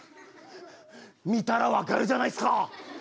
見たら分かるじゃないっすか。